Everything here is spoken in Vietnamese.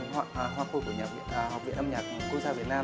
hoa khu của học viện âm nhạc quốc gia việt nam